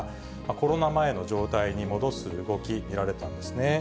コロナ前の状態に戻す動き、見られたんですね。